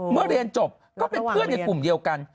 เรียนจบก็เป็นเพื่อนในกลุ่มเดียวกัน